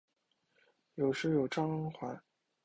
有时有蕈环。